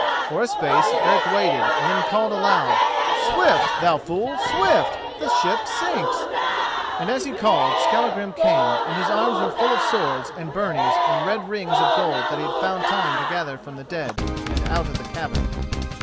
For a space Eric waited and then called aloud, "Swift! thou fool; swift! the ship sinks!" And as he called, Skallagrim came, and his arms were full of swords and byrnies, and red rings of gold that he had found time to gather from the dead and out of the cabin.